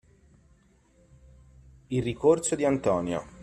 Il ricorso di Antonio.